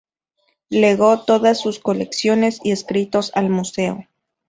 Legó todas sus colecciones y escritos al Museo.